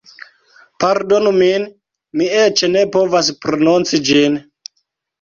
Pardonu min, mi eĉ ne povas prononci ĝin